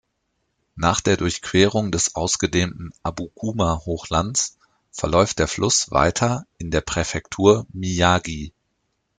Nach der Durchquerung des ausgedehnten Abukuma-Hochlands verläuft der Fluss weiter in der Präfektur Miyagi.